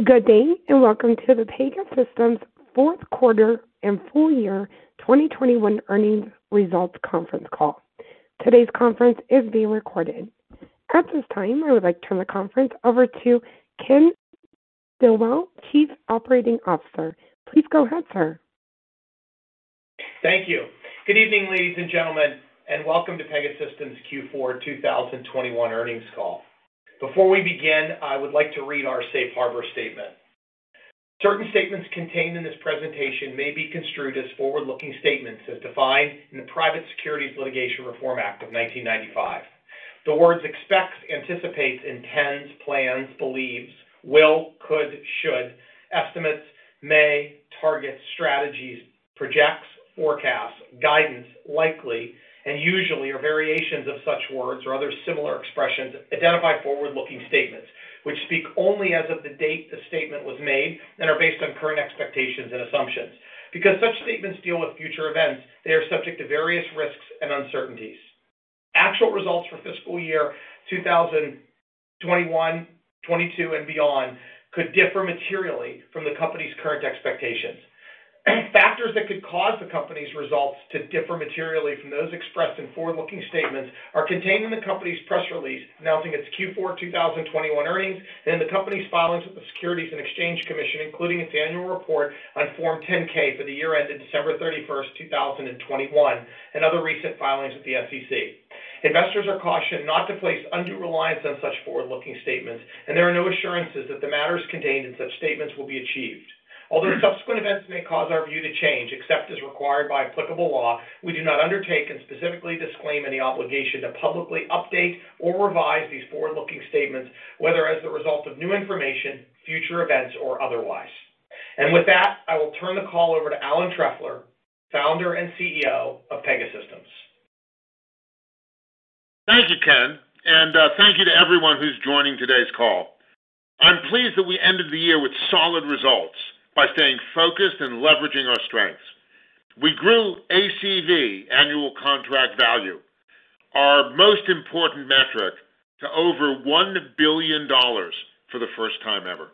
Good day, and welcome to the Pegasystems Fourth Quarter and Full Year 2021 Earnings Results Conference Call. Today's conference is being recorded. At this time, I would like to turn the conference over to Ken Stillwell, Chief Operating Officer. Please go ahead, sir. Thank you. Good evening, ladies and gentlemen, and welcome to Pegasystems Q4 2021 earnings call. Before we begin, I would like to read our safe harbor statement. Certain statements contained in this presentation may be construed as forward-looking statements as defined in the Private Securities Litigation Reform Act of 1995. The words expects, anticipates, intends, plans, believes, will, could, should, estimates, may, targets, strategies, projects, forecasts, guidance, likely, and usually or variations of such words or other similar expressions identify forward-looking statements, which speak only as of the date the statement was made and are based on current expectations and assumptions. Because such statements deal with future events, they are subject to various risks and uncertainties. Actual results for fiscal year 2021, 2022, and beyond could differ materially from the company's current expectations. Factors that could cause the Company's results to differ materially from those expressed in forward-looking statements are contained in the Company's press release announcing its Q4 2021 earnings and the Company's filings with the Securities and Exchange Commission, including its annual report on Form 10-K for the year ended December 31, 2021, and other recent filings with the SEC. Investors are cautioned not to place undue reliance on such forward-looking statements, and there are no assurances that the matters contained in such statements will be achieved. Although subsequent events may cause our view to change, except as required by applicable law, we do not undertake and specifically disclaim any obligation to publicly update or revise these forward-looking statements, whether as a result of new information, future events, or otherwise. With that, I will turn the call over to Alan Trefler, Founder and CEO of Pegasystems. Thank you, Ken, and thank you to everyone who's joining today's call. I'm pleased that we ended the year with solid results by staying focused and leveraging our strengths. We grew ACV, annual contract value, our most important metric, to over $1 billion for the first time ever.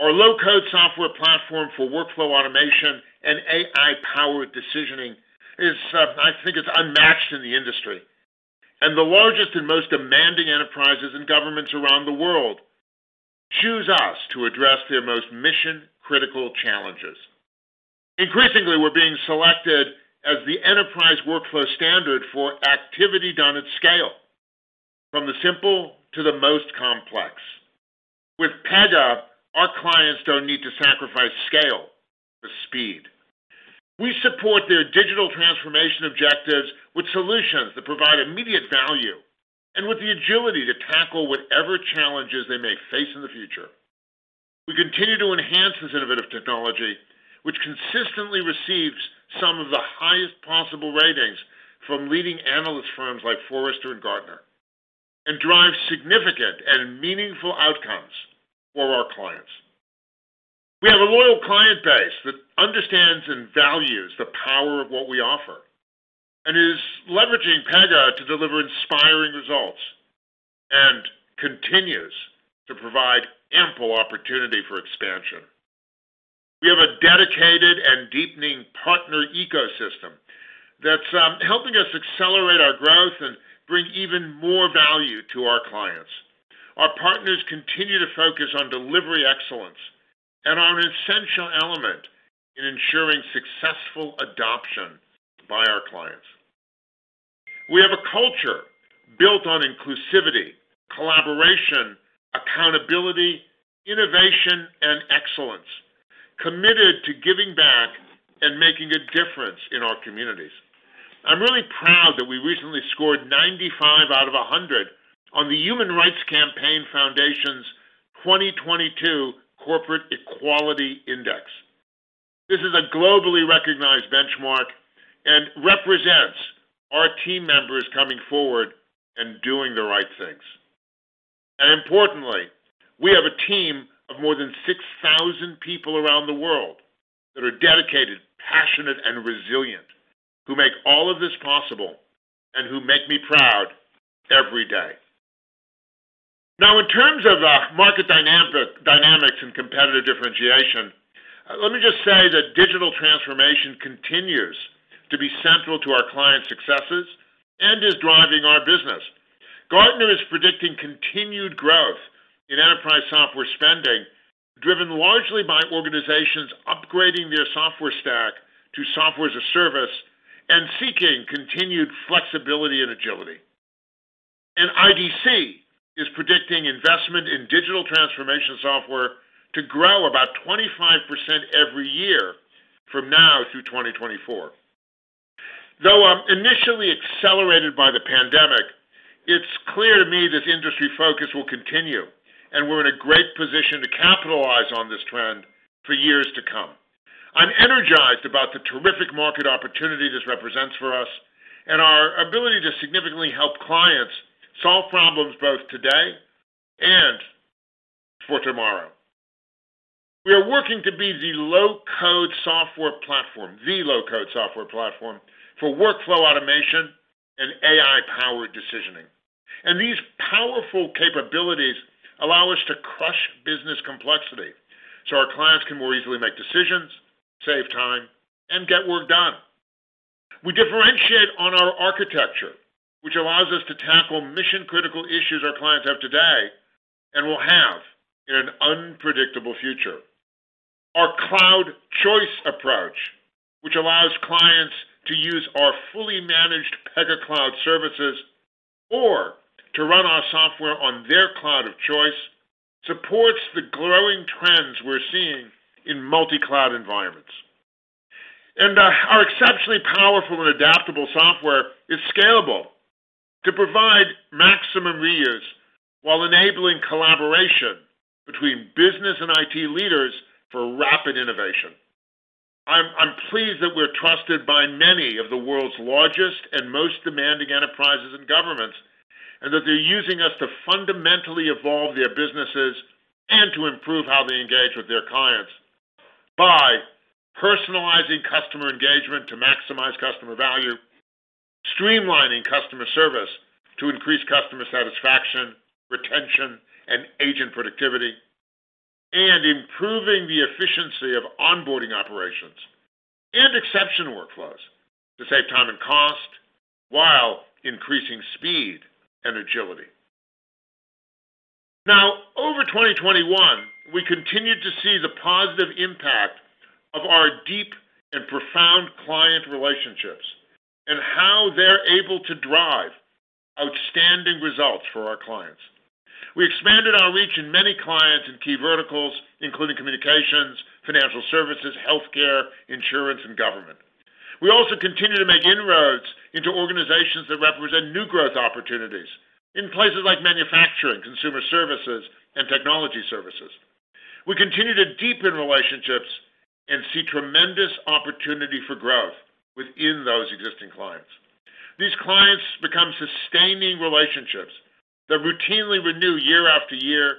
Our low-code software platform for workflow automation and AI-powered decisioning is, I think it's unmatched in the industry. The largest and most demanding enterprises and governments around the world choose us to address their most mission-critical challenges. Increasingly, we're being selected as the enterprise workflow standard for activity done at scale, from the simple to the most complex. With Pega, our clients don't need to sacrifice scale for speed. We support their digital transformation objectives with solutions that provide immediate value and with the agility to tackle whatever challenges they may face in the future. We continue to enhance this innovative technology, which consistently receives some of the highest possible ratings from leading analyst firms like Forrester and Gartner and drives significant and meaningful outcomes for our clients. We have a loyal client base that understands and values the power of what we offer and is leveraging Pega to deliver inspiring results and continues to provide ample opportunity for expansion. We have a dedicated and deepening partner ecosystem that's helping us accelerate our growth and bring even more value to our clients. Our partners continue to focus on delivery excellence and are an essential element in ensuring successful adoption by our clients. We have a culture built on inclusivity, collaboration, accountability, innovation, and excellence, committed to giving back and making a difference in our communities. I'm really proud that we recently scored 95 out of 100 on the Human Rights Campaign Foundation's 2022 Corporate Equality Index. This is a globally recognized benchmark and represents our team members coming forward and doing the right things. Importantly, we have a team of more than 6,000 people around the world that are dedicated, passionate, and resilient, who make all of this possible and who make me proud every day. Now, in terms of market dynamics and competitive differentiation, let me just say that digital transformation continues to be central to our clients' successes and is driving our business. Gartner is predicting continued growth in enterprise software spending, driven largely by organizations upgrading their software stack to software as a service and seeking continued flexibility and agility. IDC is predicting investment in digital transformation software to grow about 25% every year from now through 2024. Though, initially accelerated by the pandemic, it's clear to me this industry focus will continue, and we're in a great position to capitalize on this trend for years to come. I'm energized about the terrific market opportunity this represents for us and our ability to significantly help clients solve problems both today. We are working to be the low-code software platform for workflow automation and AI-powered decisioning. These powerful capabilities allow us to crush business complexity, so our clients can more easily make decisions, save time, and get work done. We differentiate on our architecture, which allows us to tackle mission-critical issues our clients have today and will have in an unpredictable future. Our Cloud Choice approach, which allows clients to use our fully managed Pega Cloud services or to run our software on their cloud of choice, supports the growing trends we're seeing in multi-cloud environments. Our exceptionally powerful and adaptable software is scalable to provide maximum reuse while enabling collaboration between business and IT leaders for rapid innovation. I'm pleased that we're trusted by many of the world's largest and most demanding enterprises and governments, and that they're using us to fundamentally evolve their businesses and to improve how they engage with their clients by personalizing customer engagement to maximize customer value, streamlining customer service to increase customer satisfaction, retention, and agent productivity. Improving the efficiency of onboarding operations and exception workflows to save time and cost while increasing speed and agility. Now, over 2021, we continued to see the positive impact of our deep and profound client relationships and how they're able to drive outstanding results for our clients. We expanded our reach in many clients in key verticals, including communications, financial services, healthcare, insurance, and government. We also continue to make inroads into organizations that represent new growth opportunities in places like manufacturing, consumer services, and technology services. We continue to deepen relationships and see tremendous opportunity for growth within those existing clients. These clients become sustaining relationships that routinely renew year after year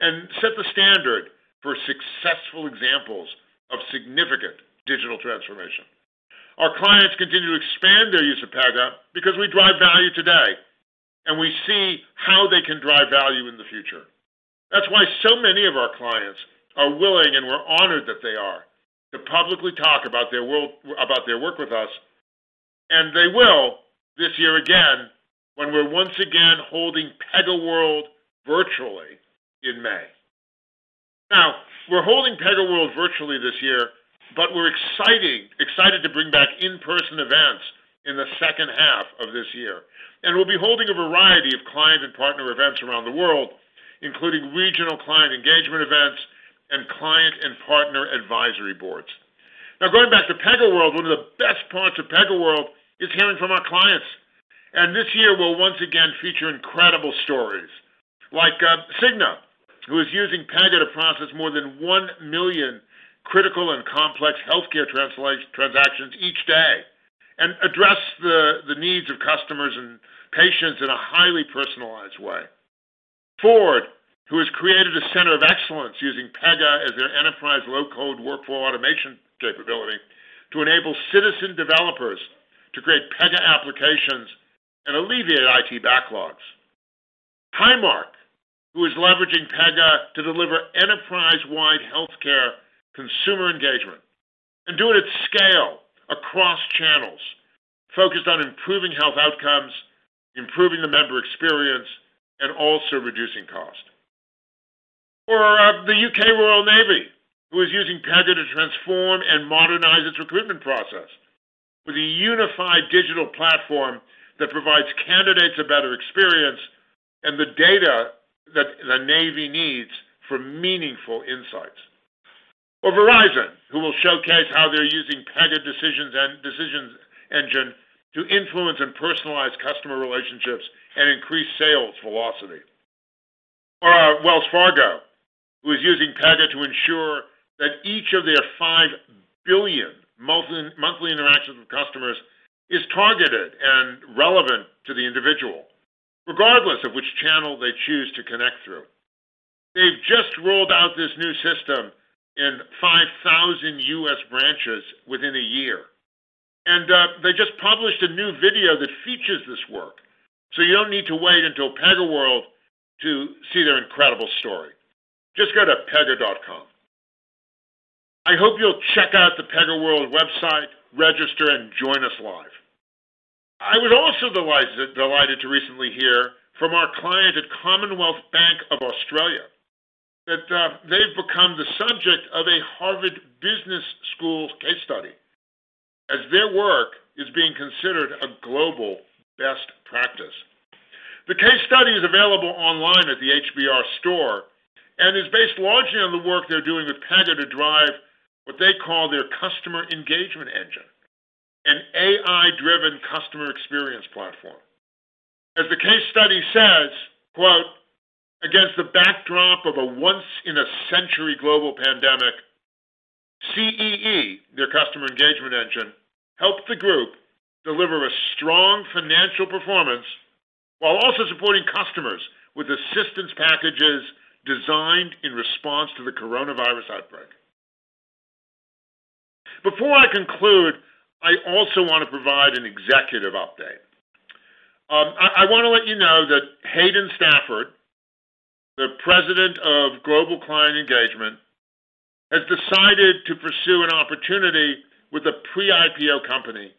and set the standard for successful examples of significant digital transformation. Our clients continue to expand their use of Pega because we drive value today, and we see how they can drive value in the future. That's why so many of our clients are willing, and we're honored that they are, to publicly talk about their work with us, and they will this year again when we're once again holding PegaWorld virtually in May. Now, we're holding PegaWorld virtually this year, but we're excited to bring back in-person events in the second half of this year. We'll be holding a variety of client and partner events around the world, including regional client engagement events and client and partner advisory boards. Now, going back to PegaWorld, one of the best parts of PegaWorld is hearing from our clients. This year will once again feature incredible stories like Cigna, who is using Pega to process more than 1 million critical and complex healthcare transactions each day and address the needs of customers and patients in a highly personalized way. Ford, who has created a center of excellence using Pega as their enterprise low-code workflow automation capability to enable citizen developers to create Pega applications and alleviate IT backlogs. Highmark, who is leveraging Pega to deliver enterprise-wide healthcare consumer engagement and do it at scale across channels focused on improving health outcomes, improving the member experience, and also reducing cost. Or, the U.K. Royal Navy, who is using Pega to transform and modernize its recruitment process with a unified digital platform that provides candidates a better experience and the data that the Navy needs for meaningful insights. Or Verizon, who will showcase how they're using Pega decisions engine to influence and personalize customer relationships and increase sales velocity. Wells Fargo, who is using Pega to ensure that each of their 5 billion monthly interactions with customers is targeted and relevant to the individual, regardless of which channel they choose to connect through. They've just rolled out this new system in 5,000 U.S. branches within a year. They just published a new video that features this work. You don't need to wait until PegaWorld to see their incredible story. Just go to pega.com. I hope you'll check out the PegaWorld website, register, and join us live. I was also delighted to recently hear from our client at Commonwealth Bank of Australia that they've become the subject of a Harvard Business School case study as their work is being considered a global best practice. The case study is available online at the HBR Store and is based largely on the work they're doing with Pega to drive what they call their Customer Engagement Engine, an AI-driven customer experience platform. As the case study says, quote, "Against the backdrop of a once-in-a-century global pandemic, CEE, their Customer Engagement Engine helped the group deliver a strong financial performance while also supporting customers with assistance packages designed in response to the coronavirus outbreak." Before I conclude, I also want to provide an executive update. I want to let you know that Hayden Stafford, the President of Global Client Engagement, has decided to pursue an opportunity with a pre-IPO company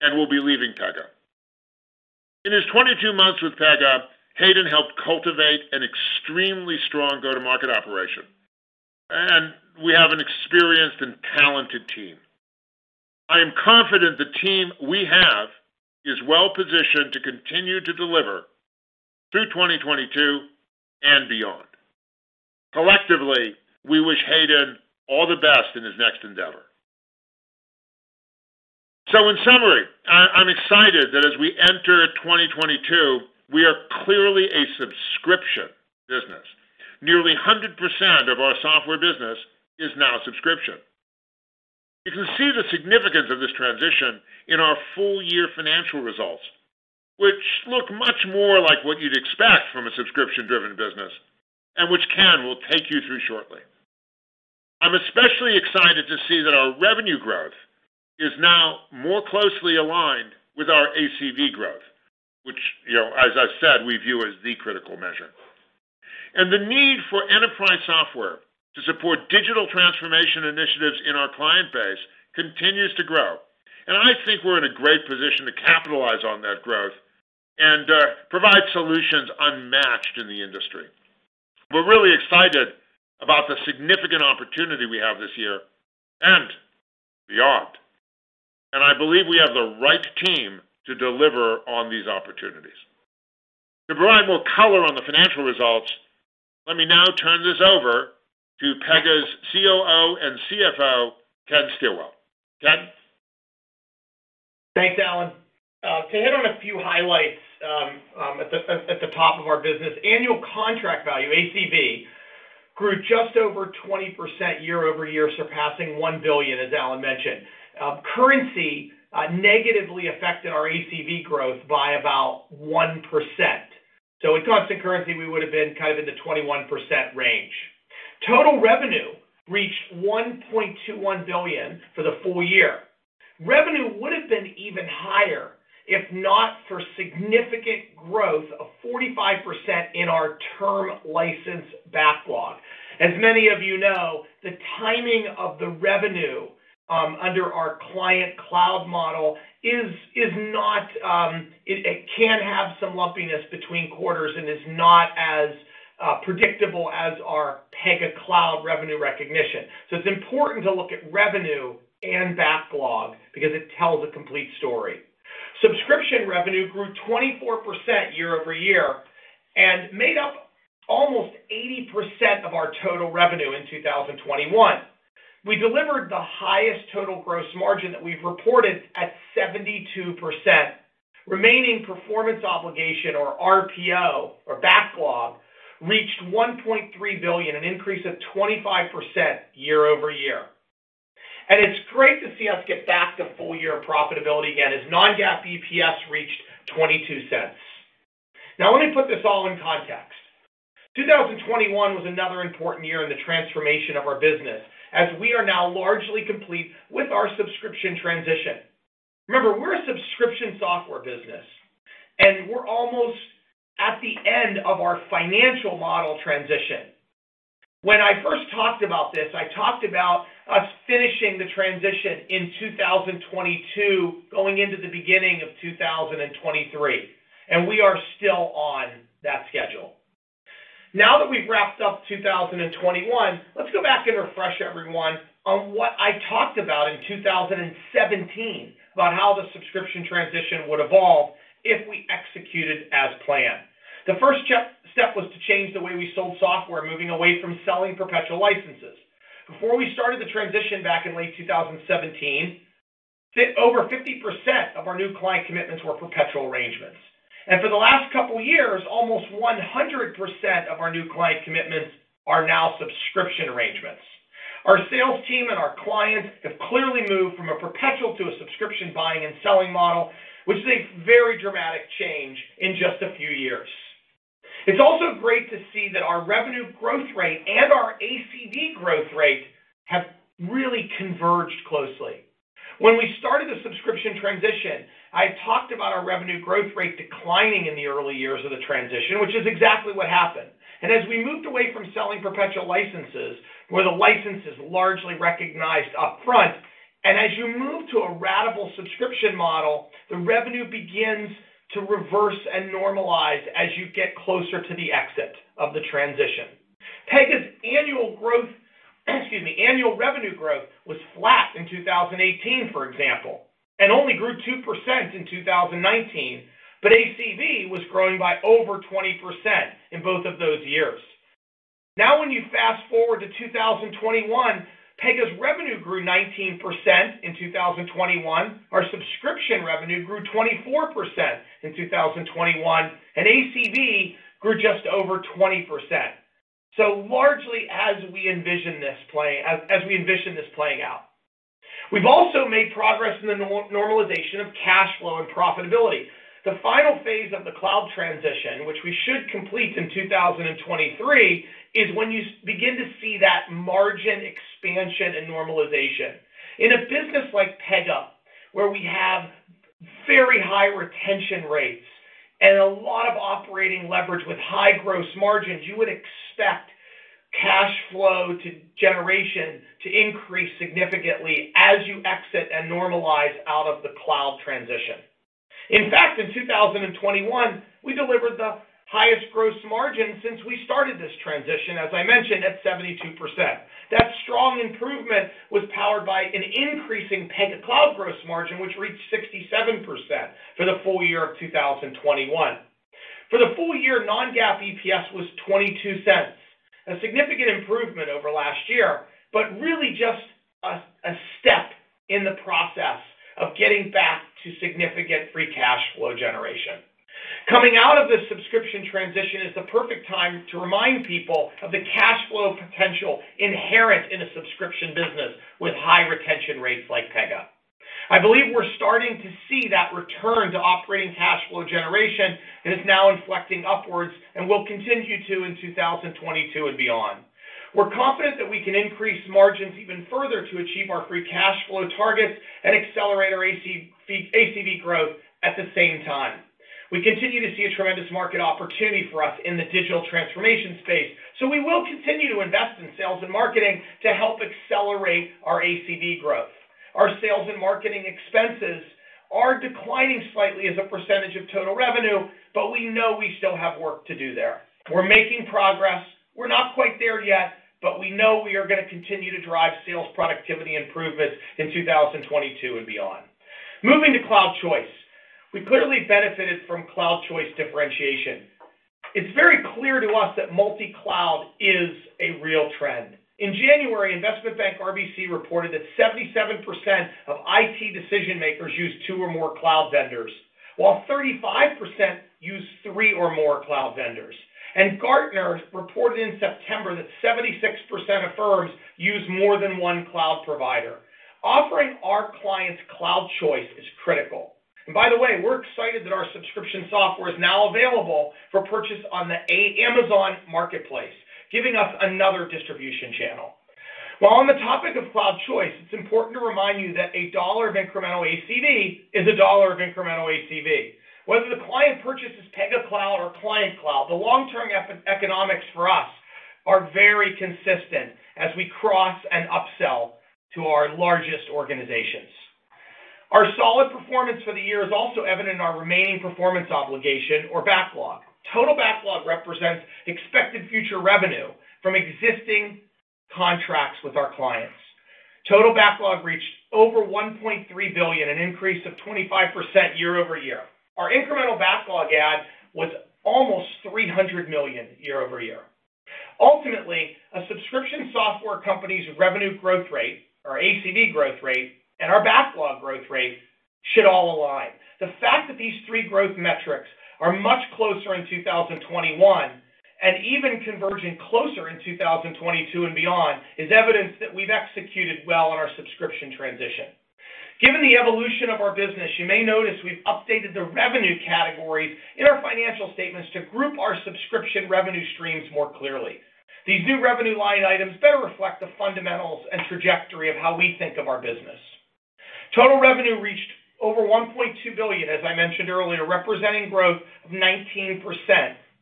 and will be leaving Pega. In his 22 months with Pega, Hayden helped cultivate an extremely strong go-to-market operation, and we have an experienced and talented team. I am confident the team we have is well positioned to continue to deliver through 2022 and beyond. Collectively, we wish Hayden all the best in his next endeavor. In summary, I'm excited that as we enter 2022, we are clearly a subscription business. Nearly 100% of our software business is now subscription. You can see the significance of this transition in our full year financial results, which look much more like what you'd expect from a subscription-driven business and which Ken will take you through shortly. I'm especially excited to see that our revenue growth is now more closely aligned with our ACV growth, which, you know, as I said, we view as the critical measure. The need for enterprise software to support digital transformation initiatives in our client base continues to grow. I think we're in a great position to capitalize on that growth and, provide solutions unmatched in the industry. We're really excited about the significant opportunity we have this year and beyond. I believe we have the right team to deliver on these opportunities. To provide more color on the financial results, let me now turn this over to Pega's COO and CFO, Ken Stillwell. Ken. Thanks, Alan. To hit on a few highlights, at the top of our business, annual contract value, ACV, grew just over 20% year-over-year, surpassing $1 billion, as Alan mentioned. Currency negatively affected our ACV growth by about 1%. In constant currency, we would have been kind of in the 21% range. Total revenue reached $1.21 billion for the full year. Revenue would have been even higher if not for significant growth of 45% in our term license backlog. As many of you know, the timing of the revenue under our client cloud model is not it can have some lumpiness between quarters and is not as predictable as our Pega Cloud revenue recognition. It's important to look at revenue and backlog because it tells a complete story. Subscription revenue grew 24% year over year and made up almost 80% of our total revenue in 2021. We delivered the highest total gross margin that we've reported at 72%. Remaining performance obligation or RPO or backlog reached $1.3 billion, an increase of 25% year over year. It's great to see us get back to full year profitability again, as non-GAAP EPS reached $0.22. Now let me put this all in context. 2021 was another important year in the transformation of our business as we are now largely complete with our subscription transition. Remember, we're a subscription software business, and we're almost at the end of our financial model transition. When I first talked about this, I talked about us finishing the transition in 2022, going into the beginning of 2023, and we are still on that schedule. Now that we've wrapped up 2021, let's go back and refresh everyone on what I talked about in 2017 about how the subscription transition would evolve if we executed as planned. The first step was to change the way we sold software, moving away from selling perpetual licenses. Before we started the transition back in late 2017, over 50% of our new client commitments were perpetual arrangements. For the last couple years, almost 100% of our new client commitments are now subscription arrangements. Our sales team and our clients have clearly moved from a perpetual to a subscription buying and selling model, which is a very dramatic change in just a few years. It's also great to see that our revenue growth rate and our ACV growth rate have really converged closely. When we started the subscription transition, I talked about our revenue growth rate declining in the early years of the transition, which is exactly what happened. As we moved away from selling perpetual licenses, where the license is largely recognized up front, and as you move to a ratable subscription model, the revenue begins to reverse and normalize as you get closer to the exit of the transition. Pega's annual growth, excuse me, annual revenue growth was flat in 2018, for example, and only grew 2% in 2019, but ACV was growing by over 20% in both of those years. Now when you fast-forward to 2021, Pega's revenue grew 19% in 2021. Our subscription revenue grew 24% in 2021, and ACV grew just over 20%. Largely as we envisioned this playing out. We've also made progress in the normalization of cash flow and profitability. The final phase of the cloud transition, which we should complete in 2023, is when you begin to see that margin expansion and normalization. In a business like Pega, where we have very high retention rates and a lot of operating leverage with high gross margins, you would expect cash flow generation to increase significantly as you exit and normalize out of the cloud transition. In fact, in 2021, we delivered the highest gross margin since we started this transition, as I mentioned, at 72%. That strong improvement was powered by an increasing Pega Cloud gross margin, which reached 67% for the full year of 2021. For the full year, non-GAAP EPS was $0.22, a significant improvement over last year, but really just a step in the process of getting back to significant free cash flow generation. Coming out of this subscription transition is the perfect time to remind people of the cash flow potential inherent in a subscription business with high retention rates like Pega. I believe we're starting to see that return to operating cash flow generation, and it's now inflecting upwards and will continue to in 2022 and beyond. We're confident that we can increase margins even further to achieve our free cash flow targets and accelerate our ACV growth at the same time. We continue to see a tremendous market opportunity for us in the digital transformation space, so we will continue to invest in sales and marketing to help accelerate our ACV growth. Our sales and marketing expenses are declining slightly as a percentage of total revenue, but we know we still have work to do there. We're making progress. We're not quite there yet, but we know we are going to continue to drive sales productivity improvements in 2022 and beyond. Moving to Cloud Choice. We clearly benefited from Cloud Choice differentiation. It's very clear to us that multi-cloud is a real trend. In January, investment bank RBC reported that 77% of IT decision-makers use two or more cloud vendors, while 35% use three or more cloud vendors. Gartner reported in September that 76% of firms use more than one cloud provider. Offering our clients Cloud Choice is critical. By the way, we're excited that our subscription software is now available for purchase on the AWS Marketplace, giving us another distribution channel. While on the topic of Cloud Choice, it's important to remind you that a dollar of incremental ACV is a dollar of incremental ACV. Whether the client purchases Pega Cloud or client cloud, the long-term economics for us are very consistent as we cross and upsell to our largest organizations. Our solid performance for the year is also evident in our remaining performance obligation or backlog. Total backlog represents expected future revenue from existing contracts with our clients. Total backlog reached over $1.3 billion, an increase of 25% year-over-year. Our incremental backlog add was almost $300 million year-over-year. Ultimately, a subscription software company's revenue growth rate, or ACV growth rate, and our backlog growth rate should all align. The fact that these three growth metrics are much closer in 2021, and even converging closer in 2022 and beyond, is evidence that we've executed well on our subscription transition. Given the evolution of our business, you may notice we've updated the revenue categories in our financial statements to group our subscription revenue streams more clearly. These new revenue line items better reflect the fundamentals and trajectory of how we think of our business. Total revenue reached over $1.2 billion, as I mentioned earlier, representing growth of 19%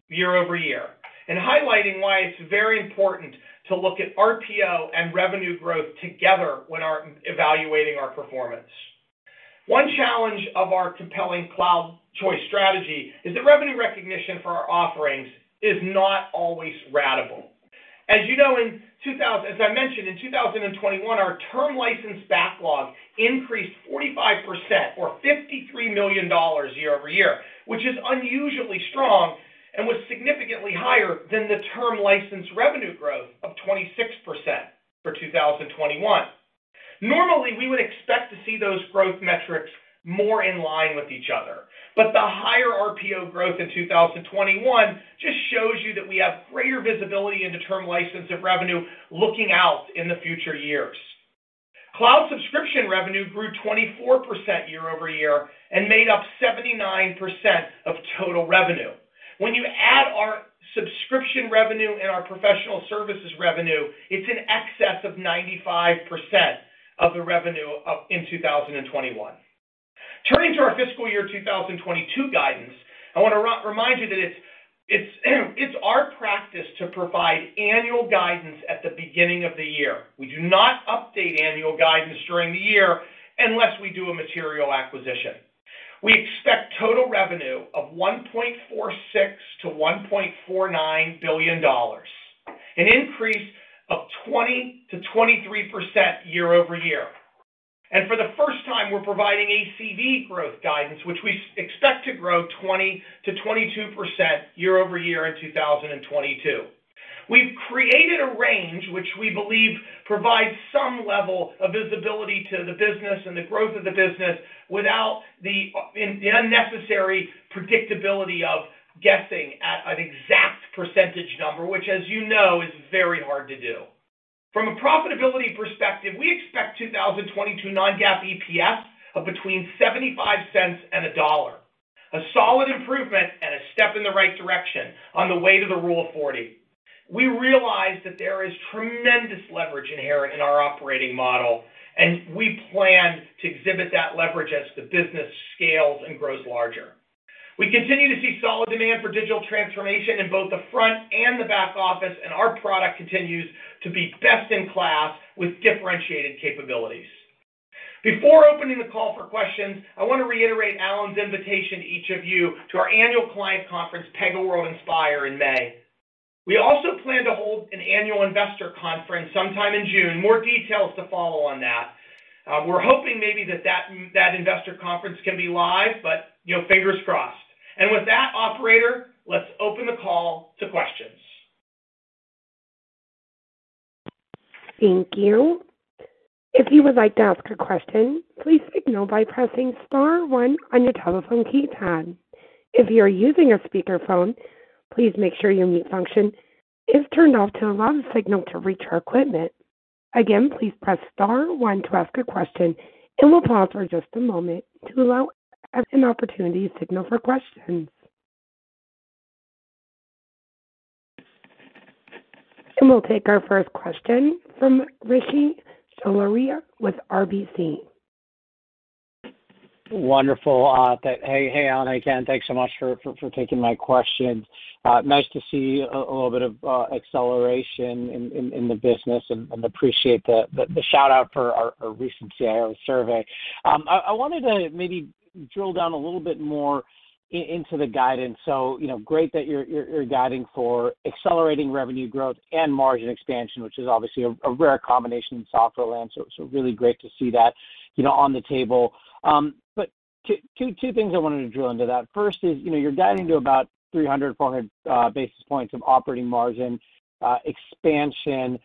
year-over-year, and highlighting why it's very important to look at RPO and revenue growth together when evaluating our performance. One challenge of our compelling Cloud Choice strategy is that revenue recognition for our offerings is not always ratable. As you know, as I mentioned, in 2021, our term license backlog increased 45% or $53 million year-over-year, which is unusually strong and was significantly higher than the term license revenue growth of 26% for 2021. Normally, we would expect to see those growth metrics more in line with each other. The higher RPO growth in 2021 just shows you that we have greater visibility into term license and revenue looking out in the future years. Cloud subscription revenue grew 24% year over year and made up 79% of total revenue. When you add our subscription revenue and our professional services revenue, it's in excess of 95% of the revenue up in 2021. Turning to our fiscal year 2022 guidance, I want to remind you that it's our practice to provide annual guidance at the beginning of the year. We do not update annual guidance during the year unless we do a material acquisition. We expect total revenue of $1.46 billion-$1.49 billion, an increase of 20%-23% year-over-year. For the first time, we're providing ACV growth guidance, which we expect to grow 20%-22% year-over-year in 2022. We've created a range which we believe provides some level of visibility to the business and the growth of the business without the unnecessary predictability of guessing at an exact percentage number, which as you know, is very hard to do. From a profitability perspective, we expect 2022 non-GAAP EPS of between $0.75 and $1. A solid improvement and a step in the right direction on the way to the Rule of 40. We realize that there is tremendous leverage inherent in our operating model, and we plan to exhibit that leverage as the business scales and grows larger. We continue to see solid demand for digital transformation in both the front and the back office, and our product continues to be best in class with differentiated capabilities. Before opening the call for questions, I want to reiterate Alan's invitation to each of you to our annual client conference, PegaWorld iNspire, in May. We also plan to hold an annual investor conference sometime in June. More details to follow on that. We're hoping maybe that that investor conference can be live, but, you know, fingers crossed. With that, operator, let's open the call to questions. Thank you. If you would like to ask a question, please signal by pressing star one on your telephone keypad. If you are using a speakerphone, please make sure your mute function is turned off to allow the signal to reach our equipment. Again, please press star one to ask a question, and we'll pause for just a moment to allow everyone an opportunity to signal for questions. We'll take our first question from Rishi Jaluria with RBC. Wonderful. Hey, Alan. Again, thanks so much for taking my question. Nice to see a little bit of acceleration in the business and appreciate the shout-out for our recent CIO survey. I wanted to maybe drill down a little bit more into the guidance. You know, great that you're guiding for accelerating revenue growth and margin expansion, which is obviously a rare combination in software land. Really great to see that, you know, on the table. Two things I wanted to drill into that. First is, you know, you're guiding to about 300-400 basis points of operating margin expansion.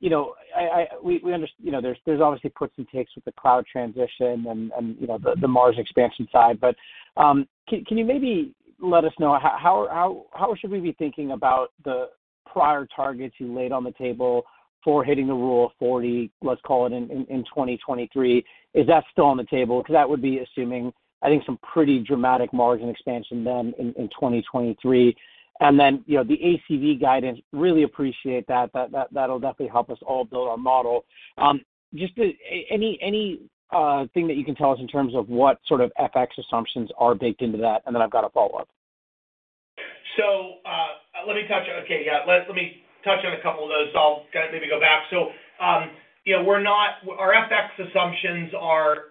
You know, there's obviously puts and takes with the cloud transition and, you know, the margin expansion side. Can you maybe let us know how should we be thinking about the prior targets you laid on the table for hitting the Rule of 40, let's call it in 2023? Is that still on the table? 'Cause that would be assuming, I think, some pretty dramatic margin expansion then in 2023. Then, you know, the ACV guidance. I really appreciate that. That'll definitely help us all build our model. Just anything that you can tell us in terms of what sort of FX assumptions are baked into that, and then I've got a follow-up. Let me touch on a couple of those. I'll kinda maybe go back. You know, we're not. Our FX assumptions are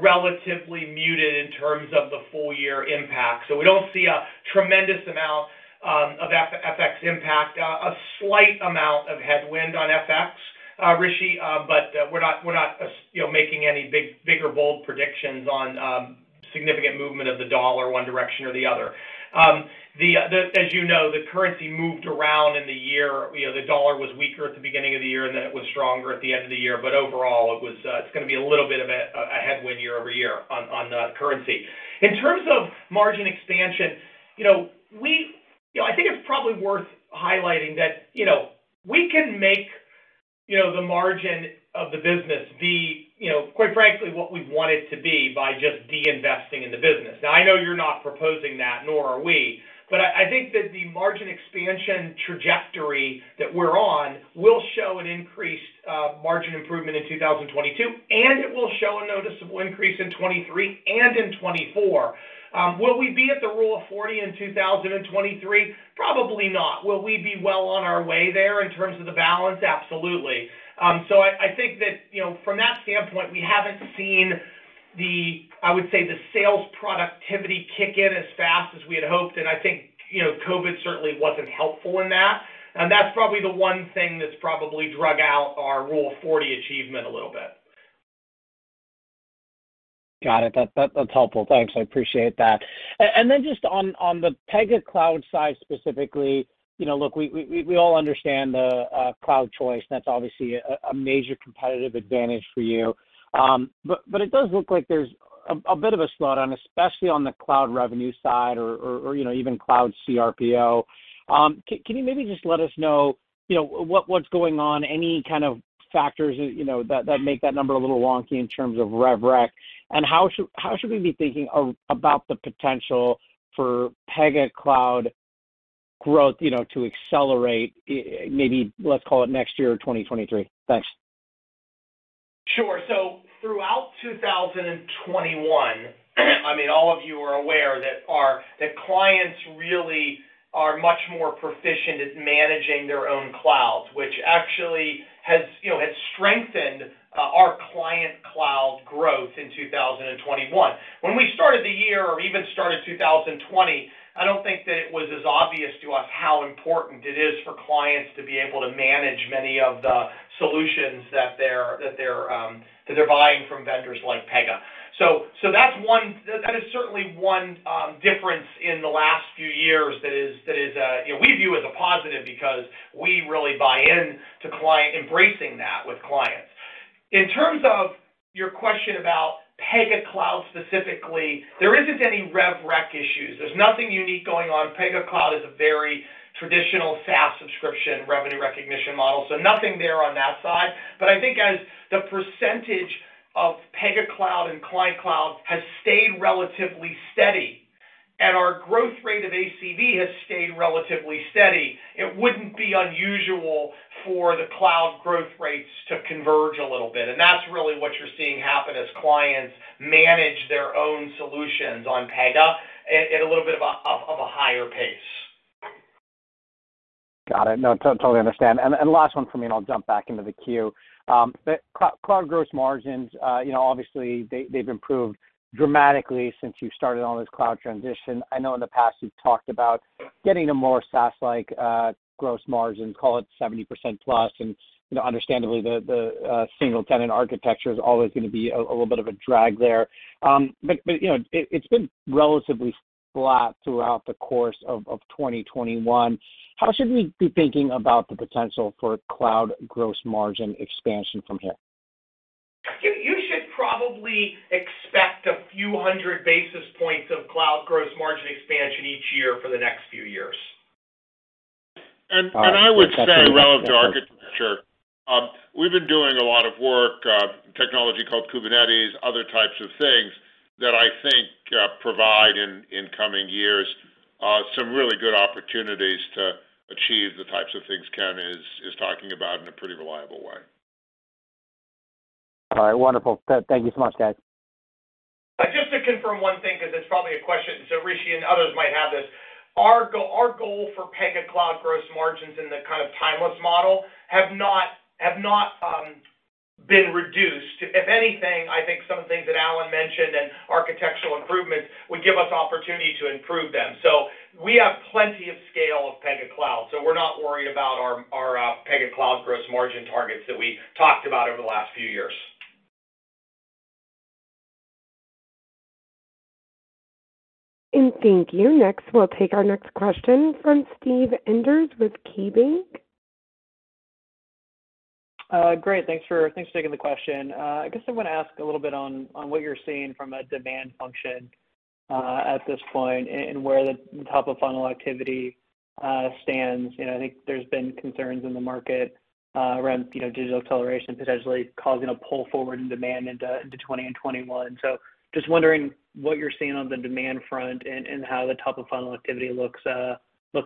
relatively muted in terms of the full year impact. We don't see a tremendous amount of FX impact, Rishi. But we're not, you know, making any big or bold predictions on significant movement of the dollar one direction or the other. As you know, the currency moved around in the year. You know, the dollar was weaker at the beginning of the year, and then it was stronger at the end of the year. Overall, it was, it's gonna be a little bit of a headwind year-over-year on the currency. In terms of margin expansion, you know, we, you know, I think it's probably worth highlighting that, you know, we can make, you know, the margin of the business the, you know, quite frankly what we want it to be by just de-investing in the business. Now, I know you're not proposing that, nor are we, but I think that the margin expansion trajectory that we're on will show an increased margin improvement in 2022, and it will show a noticeable increase in 2023 and in 2024. Will we be at the Rule of 40 in 2023? Probably not. Will we be well on our way there in terms of the balance? Absolutely. I think that, you know, from that standpoint, we haven't seen the, I would say, the sales productivity kick in as fast as we had hoped, and I think, you know, COVID certainly wasn't helpful in that. That's probably the one thing that's probably dragged out our Rule of 40 achievement a little bit. Got it. That’s helpful. Thanks. I appreciate that. Then just on the Pega Cloud side specifically, you know, look, we all understand the Cloud Choice. That’s obviously a major competitive advantage for you. But it does look like there’s a bit of a slowdown, especially on the cloud revenue side or, you know, even cloud CRPO. Can you maybe just let us know, you know, what’s going on, any kind of factors, you know, that make that number a little wonky in terms of rev rec? How should we be thinking about the potential for Pega Cloud growth, you know, to accelerate maybe, let’s call it next year or 2023? Thanks. Sure. Throughout 2021, I mean, all of you are aware that clients really are much more proficient at managing their own clouds, which actually has strengthened our client cloud growth in 2021. When we started the year or even started 2020, I don't think that it was as obvious to us how important it is for clients to be able to manage many of the solutions that they're buying from vendors like Pega. That is certainly one difference in the last few years that is we view as a positive because we really buy in to client embracing that with clients. In terms of your question about Pega Cloud specifically, there isn't any rev rec issues. There's nothing unique going on. Pega Cloud is a very traditional SaaS subscription revenue recognition model, so nothing there on that side. I think as the percentage of Pega Cloud and client cloud has stayed relatively steady, and our growth rate of ACV has stayed relatively steady, it wouldn't be unusual for the cloud growth rates to converge a little bit. That's really what you're seeing happen as clients manage their own solutions on Pega at a little bit of a higher pace. Got it. No, totally understand. Last one for me, and I'll jump back into the queue. Cloud gross margins, you know, obviously they've improved dramatically since you started on this cloud transition. I know in the past, you've talked about getting a more SaaS-like gross margin, call it 70% plus, and, you know, understandably the single tenant architecture is always gonna be a little bit of a drag there. You know, it's been relatively flat throughout the course of 2021. How should we be thinking about the potential for cloud gross margin expansion from here? You should probably expect a few hundred basis points of cloud gross margin expansion each year for the next few years. All right. I would say relevant to architecture, we've been doing a lot of work, technology called Kubernetes, other types of things that I think provide in coming years some really good opportunities to achieve the types of things Ken is talking about in a pretty reliable way. All right. Wonderful. Thank you so much, guys. Just to confirm one thing because it's probably a question, so Rishi and others might have this. Our goal for Pega Cloud gross margins in the kind of timeless model have not been reduced. If anything, I think some of the things that Alan mentioned and architectural improvements would give us opportunity to improve them. We have plenty of scale of Pega Cloud, so we're not worried about our Pega Cloud gross margin targets that we talked about over the last few years. Thank you. Next, we'll take our next question from Steve Enders with KeyBanc. Great. Thanks for taking the question. I guess I wanna ask a little bit on what you're seeing from a demand function at this point and where the top of funnel activity stands. You know, I think there's been concerns in the market around, you know, digital acceleration potentially causing a pull forward in demand into 2021. Just wondering what you're seeing on the demand front and how the top of funnel activity looks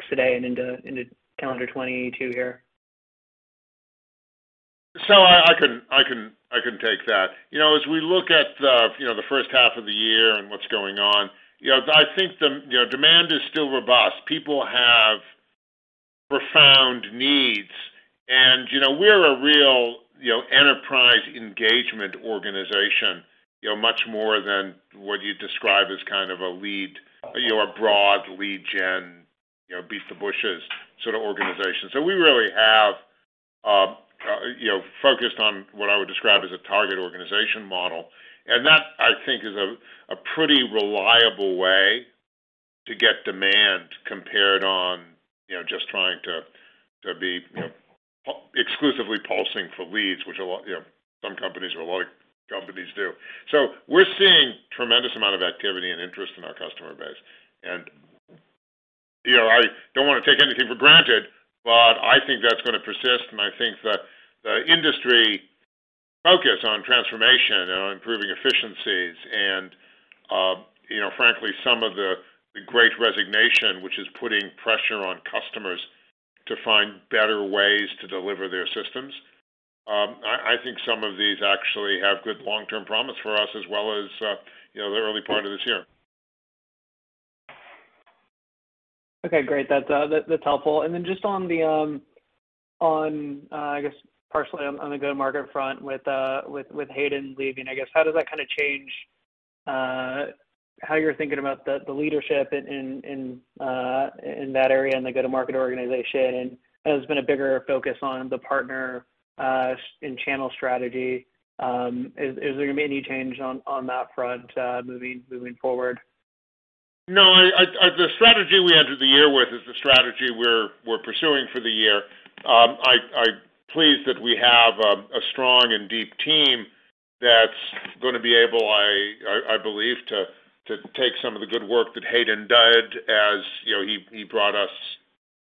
today and into calendar 2022 here. I can take that. You know, as we look at the first half of the year and what's going on, you know, I think the demand is still robust. People have profound needs. You know, we're a real enterprise engagement organization, you know, much more than what you describe as kind of a lead, you know, a broad lead gen, you know, beat the bushes sort of organization. We really have focused on what I would describe as a target organization model. And that, I think is a pretty reliable way to get demand compared on, you know, just trying to be, you know, exclusively pulsing for leads, which a lot, you know, some companies or a lot of companies do. We're seeing tremendous amount of activity and interest in our customer base. You know, I don't wanna take anything for granted, but I think that's gonna persist, and I think the industry focus on transformation and on improving efficiencies and, you know, frankly, some of the great resignation, which is putting pressure on customers to find better ways to deliver their systems. I think some of these actually have good long-term promise for us as well as, you know, the early part of this year. Okay, great. That's helpful. Just on the go-to-market front with Hayden leaving, I guess, how does that kinda change how you're thinking about the leadership in that area and the go-to-market organization? There's been a bigger focus on the partner and channel strategy. Is there gonna be any change on that front, moving forward? No. The strategy we entered the year with is the strategy we're pursuing for the year. I'm pleased that we have a strong and deep team that's gonna be able, I believe, to take some of the good work that Hayden did as, you know, he brought us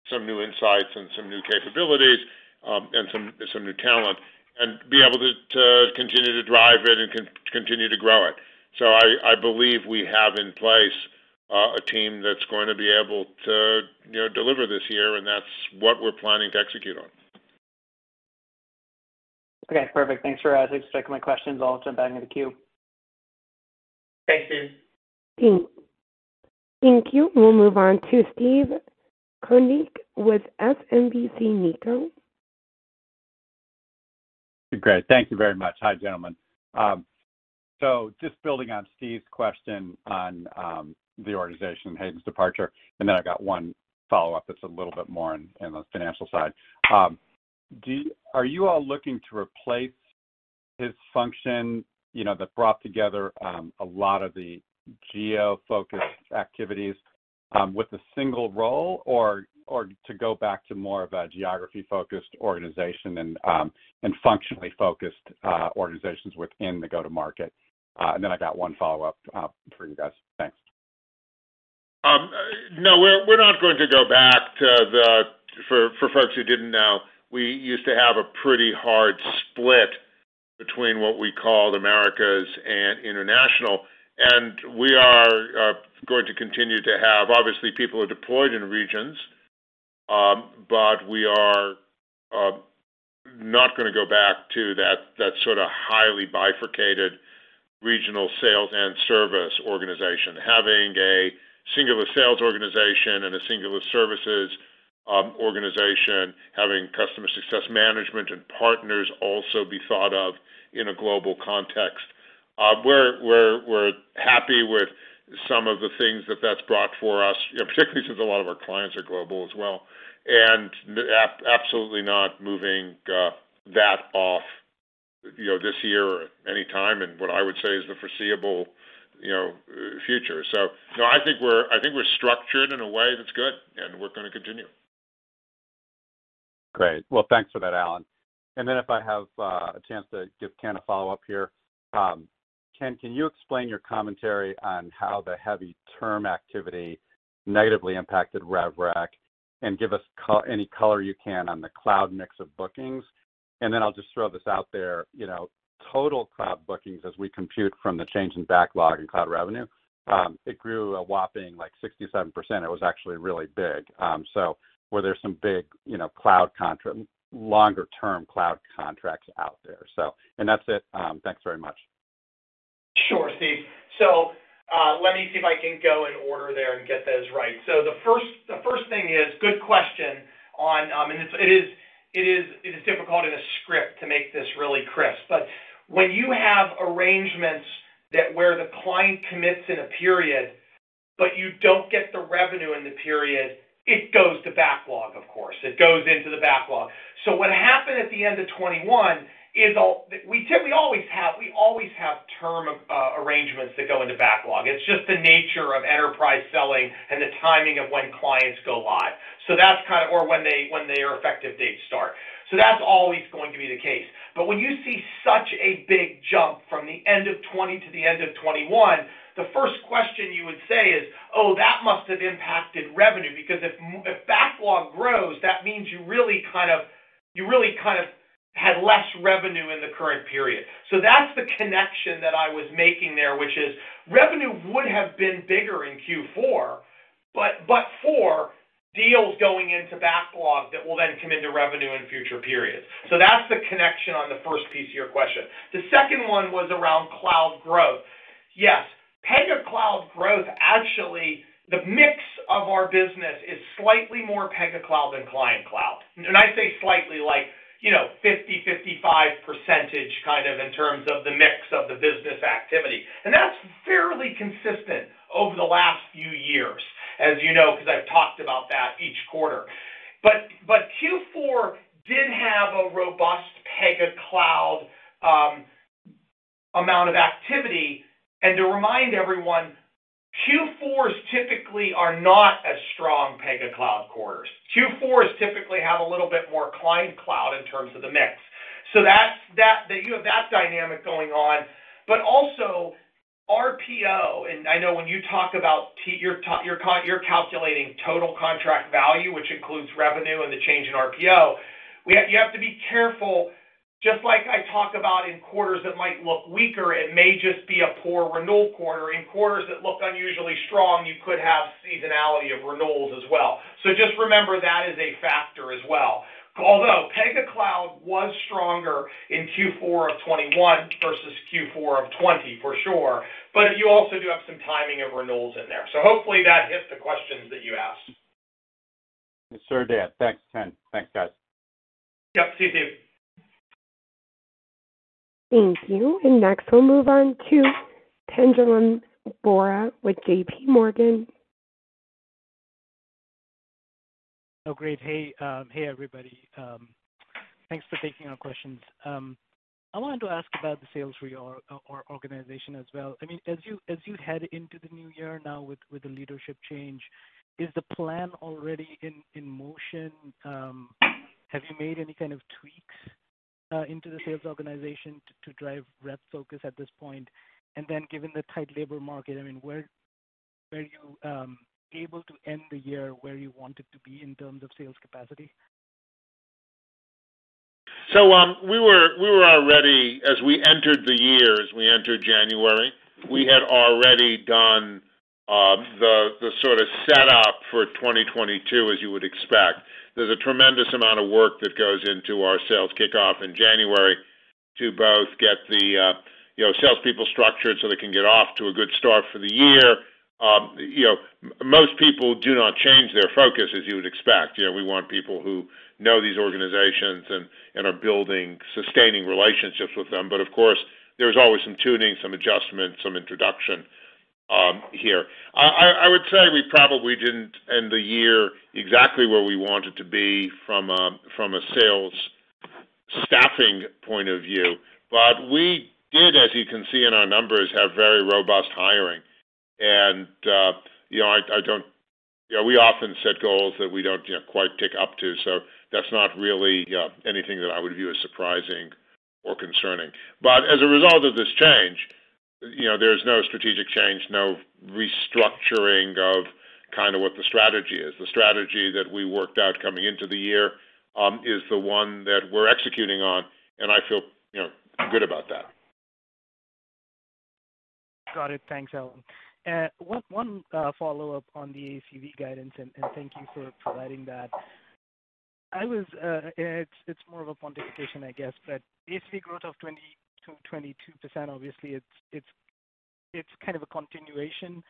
some new insights and some new capabilities, and some new talent, and be able to continue to drive it and continue to grow it. I believe we have in place a team that's going to be able to, you know, deliver this year, and that's what we're planning to execute on. Okay, perfect. Thanks for answering both my questions. I'll jump back in the queue. Thanks, Steve. Thank you. We'll move on to Steve Koenig with SMBC Nikko. Great. Thank you very much. Hi, gentlemen. Just building on Steve's question on the organization and Hayden's departure, and then I've got one follow-up that's a little bit more on the financial side. Are you all looking to replace his function, you know, that brought together a lot of the geo-focused activities? With a single role or to go back to more of a geography-focused organization and functionally focused organizations within the go-to-market. Then I got one follow-up for you guys. Thanks. No, we're not going to go back to the. For folks who didn't know, we used to have a pretty hard split between what we called Americas and International. We are going to continue to have obviously people are deployed in regions, but we are not gonna go back to that sorta highly bifurcated regional sales and service organization, having a singular sales organization and a singular services organization, having customer success management and partners also be thought of in a global context. We're happy with some of the things that that's brought for us, you know, particularly since a lot of our clients are global as well. Absolutely not moving that off, you know, this year or any time in what I would say is the foreseeable future. I think we're structured in a way that's good, and we're gonna continue. Great. Well, thanks for that, Alan. If I have a chance to give Ken a follow-up here. Ken, can you explain your commentary on how the heavy term activity negatively impacted RevRec, and give us any color you can on the cloud mix of bookings? I'll just throw this out there. You know, total cloud bookings as we compute from the change in backlog and cloud revenue, it grew a whopping, like, 67%. It was actually really big. Were there some big, you know, longer-term cloud contracts out there? That's it. Thanks very much. Sure, Steve. So, let me see if I can go in order there and get those right. So the first thing is, good question on. It's difficult in a script to make this really crisp. But when you have arrangements that where the client commits in a period, but you don't get the revenue in the period, it goes to backlog, of course. It goes into the backlog. So what happened at the end of 2021 is all. We typically always have term arrangements that go into backlog. It's just the nature of enterprise selling and the timing of when clients go live. So that's kind of or when their effective date start. So that's always going to be the case. When you see such a big jump from the end of 2020 to the end of 2021, the first question you would say is, "Oh, that must have impacted revenue." Because if backlog grows, that means you really kind of had less revenue in the current period. That's the connection that I was making there, which is revenue would have been bigger in Q4, but for deals going into backlog that will then come into revenue in future periods. That's the connection on the first piece of your question. The second one was around cloud growth. Yes, Pega Cloud growth, actually, the mix of our business is slightly more Pega Cloud than Client Cloud. I say slightly like, you know, 50, 55% kind of in terms of the mix of the business activity. That's fairly consistent over the last few years, as you know, because I've talked about that each quarter. Q4 did have a robust Pega Cloud amount of activity. To remind everyone, Q4s typically are not as strong Pega Cloud quarters. Q4s typically have a little bit more client cloud in terms of the mix. You have that dynamic going on. Also RPO, and I know when you talk about T, you're calculating total contract value, which includes revenue and the change in RPO. You have to be careful, just like I talk about in quarters that might look weaker, it may just be a poor renewal quarter. In quarters that look unusually strong, you could have seasonality of renewals as well. Just remember that is a factor as well. Although Pega Cloud was stronger in Q4 of 2021 versus Q4 of 2020, for sure. You also do have some timing of renewals in there. Hopefully that hits the questions that you asked. It sure did. Thanks, Ken. Thanks, guys. Yep. See you, Steve. Thank you. Next we'll move on to Pinjalim Bora with JP Morgan. Oh, great. Hey. Hey, everybody. Thanks for taking our questions. I wanted to ask about the sales reorg or organization as well. I mean, as you head into the new year now with the leadership change, is the plan already in motion? Have you made any kind of tweaks into the sales organization to drive rep focus at this point? Given the tight labor market, I mean, were you able to end the year where you wanted to be in terms of sales capacity? As we entered the year, as we entered January, we had already done the sorta set up for 2022, as you would expect. There's a tremendous amount of work that goes into our sales kickoff in January to both get the salespeople structured so they can get off to a good start for the year. Most people do not change their focus as you would expect. You know, we want people who know these organizations and are building, sustaining relationships with them. Of course, there's always some tuning, some adjustment, some introduction here. I would say we probably didn't end the year exactly where we wanted to be from a sales staffing point of view. You can see in our numbers we have very robust hiring. You know, I don't you know, we often set goals that we don't, you know, quite tick up to, so that's not really anything that I would view as surprising or concerning. As a result of this change, you know, there's no strategic change, no restructuring of kind of what the strategy is. The strategy that we worked out coming into the year is the one that we're executing on, and I feel, you know, good about that. Got it. Thanks, Alan. One follow-up on the ACV guidance, and thank you for providing that. It's more of a quantification, I guess. ACV growth of 20%-22%, obviously, it's kind of a continuation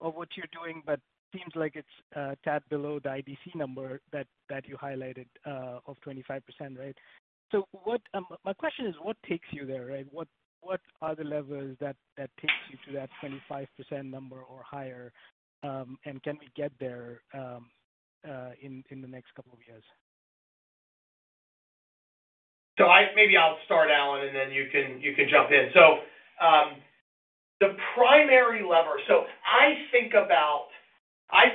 of what you're doing, but seems like it's a tad below the IDC number that you highlighted of 25%, right? My question is, what takes you there, right? What are the levers that takes you to that 25% number or higher, and can we get there in the next couple of years? Maybe I'll start, Alan, and then you can jump in. The primary lever. I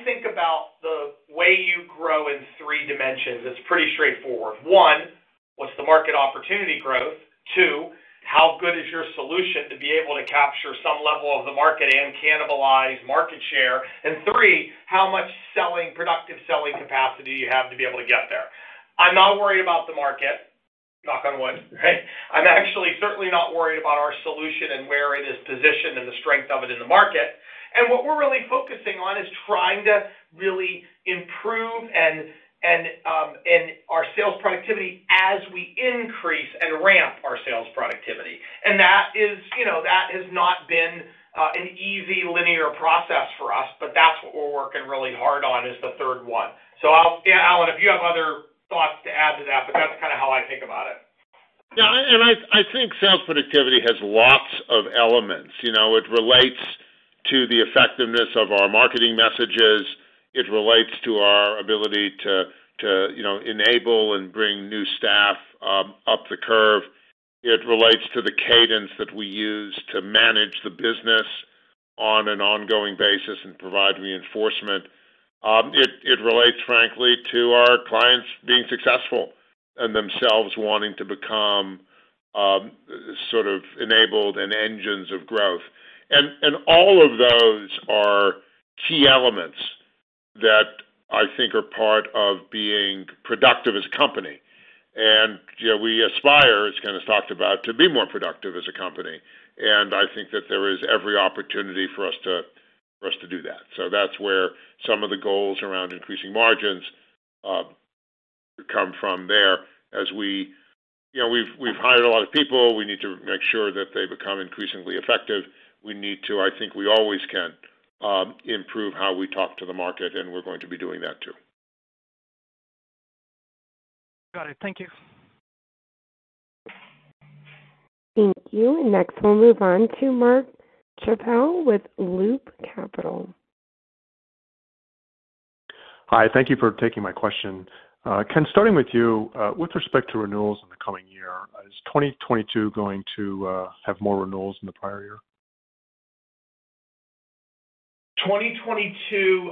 think about the way you grow in three dimensions. It's pretty straightforward. One, what's the market opportunity growth? Two, how good is your solution to be able to capture some level of the market and cannibalize market share? And three, how much selling, productive selling capacity you have to be able to get there. I'm not worried about the market, knock on wood, right? I'm actually certainly not worried about our solution and where it is positioned and the strength of it in the market. What we're really focusing on is trying to really improve and our sales productivity as we increase and ramp our sales productivity. That is, you know, that has not been an easy linear process for us, but that's what we're working really hard on, is the third one. Yeah, Alan, if you have other thoughts to add to that, but that's kinda how I think about it. Yeah. I think sales productivity has lots of elements, you know. It relates to the effectiveness of our marketing messages. It relates to our ability to, you know, enable and bring new staff up the curve. It relates to the cadence that we use to manage the business on an ongoing basis and provide reinforcement. It relates, frankly, to our clients being successful and themselves wanting to become sort of enabled and engines of growth. All of those are key elements that I think are part of being productive as a company. You know, we aspire, as Ken has talked about, to be more productive as a company. I think that there is every opportunity for us to do that. That's where some of the goals around increasing margins come from there. As we You know, we've hired a lot of people. We need to make sure that they become increasingly effective. I think we always can improve how we talk to the market, and we're going to be doing that too. Got it. Thank you. Thank you. Next, we'll move on to Mark Schappel with Loop Capital. Hi. Thank you for taking my question. Ken, starting with you, with respect to renewals in the coming year, is 2022 going to have more renewals than the prior year? 2022.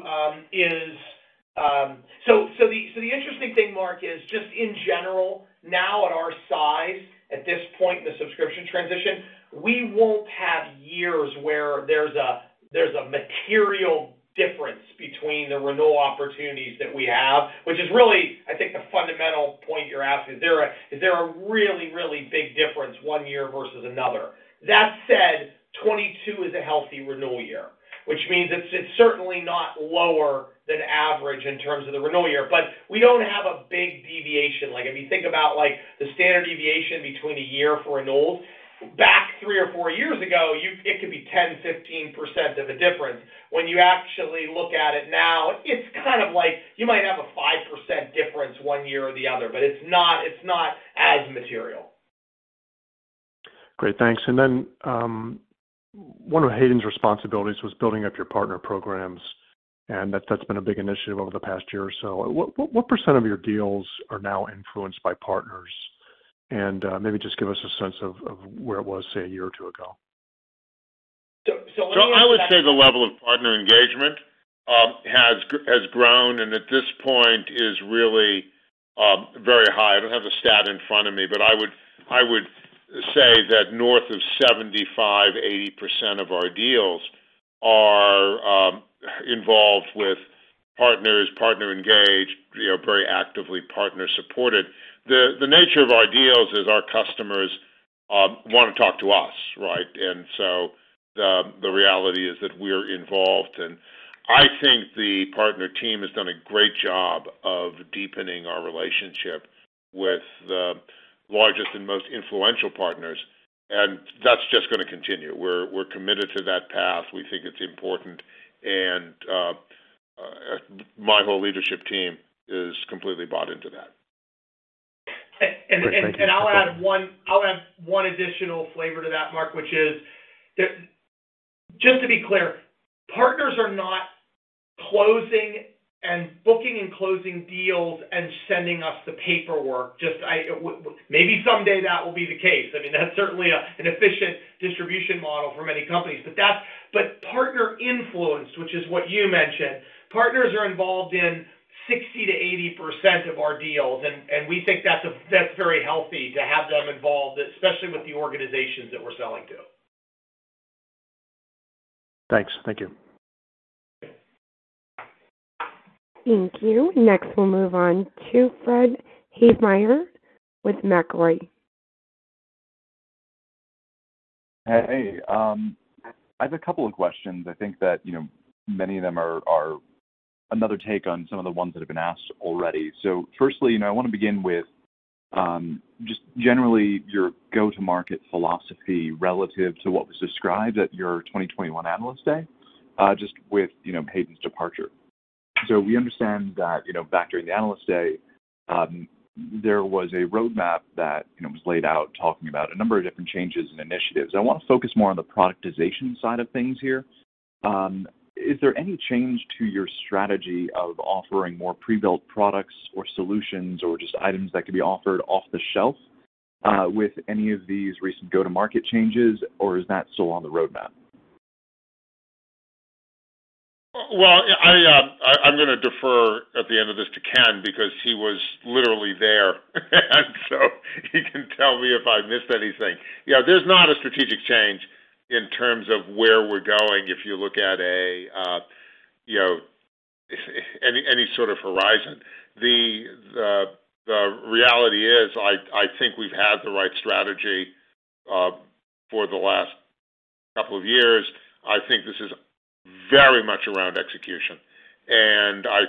The interesting thing, Mark, is just in general now at our size, at this point in the subscription transition, we won't have years where there's a material difference between the renewal opportunities that we have, which is really, I think, the fundamental point you're asking. Is there a really big difference one year versus another? That said, 2022 is a healthy renewal year, which means it's certainly not lower than average in terms of the renewal year. But we don't have a big deviation. Like, if you think about, like, the standard deviation between a year for renewals, back 3 or 4 years ago, it could be 10, 15% of a difference. When you actually look at it now, it's kind of like you might have a 5% difference one year or the other, but it's not as material. Great. Thanks. One of Hayden's responsibilities was building up your partner programs, and that's been a big initiative over the past year or so. What percent of your deals are now influenced by partners? Maybe just give us a sense of where it was, say, a year or two ago. So, so- I would say the level of partner engagement has grown, and at this point is really very high. I don't have a stat in front of me, but I would say that north of 75%-80% of our deals are involved with partners, partner-engaged, you know, very actively partner-supported. The nature of our deals is our customers wanna talk to us, right? The reality is that we're involved. I think the partner team has done a great job of deepening our relationship with the largest and most influential partners, and that's just gonna continue. We're committed to that path. We think it's important. My whole leadership team is completely bought into that. Great. Thank you. I'll add one additional flavor to that, Mark, which is that just to be clear, partners are not closing and booking and closing deals and sending us the paperwork. Maybe someday that will be the case. I mean, that's certainly an efficient distribution model for many companies, but partner influence, which is what you mentioned, partners are involved in 60%-80% of our deals, and we think that's very healthy to have them involved, especially with the organizations that we're selling to. Thanks. Thank you. Thank you. Next, we'll move on to Fred Havemeyer with Macquarie. Hey, I have a couple of questions. I think that, you know, many of them are another take on some of the ones that have been asked already. Firstly, you know, I want to begin with, just generally your go-to-market philosophy relative to what was described at your 2021 Analyst Day, just with, you know, Hayden's departure. We understand that, you know, back during the Analyst Day, there was a roadmap that, you know, was laid out talking about a number of different changes and initiatives. I want to focus more on the productization side of things here. Is there any change to your strategy of offering more pre-built products or solutions or just items that could be offered off the shelf, with any of these recent go-to-market changes, or is that still on the roadmap? Well, I’m gonna defer at the end of this to Ken because he was literally there, and so he can tell me if I missed anything. You know, there’s not a strategic change in terms of where we’re going, if you look at a, you know, any sort of horizon. The reality is, I think we’ve had the right strategy for the last couple of years. I think this is very much around execution. I,